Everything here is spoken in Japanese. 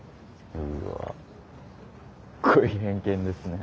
うわすっごい偏見ですね。